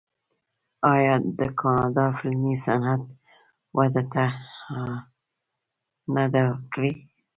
آیا د کاناډا فلمي صنعت وده نه ده کړې؟